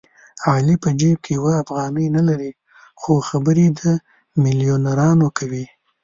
علي په جېب کې یوه افغانۍ نه لري خو خبرې د مېلیونرانو کوي.